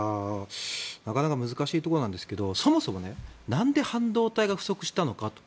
なかなか難しいところなんですがそもそもなんで半導体が不足したのかと。